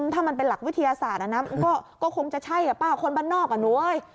ถ้ามันเป็นหลักวิทยาศาสตร์มันก็คงจะใช่ป้าคนบ้านนอกอ่ะหนูเอ้ย